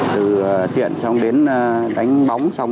từ tiện xong đến đánh bóng xong